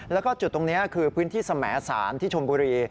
แล้วก็จุดตรงนี้คือพื้นที่สมสารที่ชมบุรี